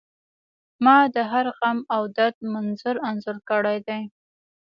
ما د هر غم او درد منظر انځور کړی دی